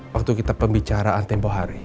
waktu kita pembicaraan tempoh hari